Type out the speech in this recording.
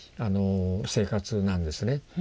生活なんですね。